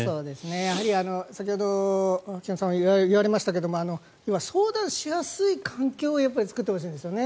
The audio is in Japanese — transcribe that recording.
やはり先ほど菊間さんが言われましたけれども要は相談しやすい環境を作ってほしいんですよね。